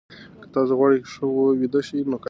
که تاسي غواړئ ښه ویده شئ، نو کافي مه څښئ.